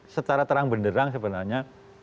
secara terang beneran sebenarnya